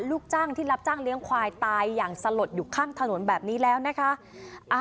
ลูกจ้างที่รับจ้างเลี้ยงควายตายอย่างสลดอยู่ข้างถนนแบบนี้แล้วนะคะ